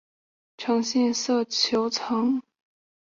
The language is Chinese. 呈现色球层的温度和密度随距离变化呈现的趋势。